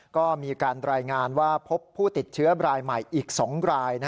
ก็มีการรายงานว่าพบผู้ติดเชื้อรายใหม่อีก๒ราย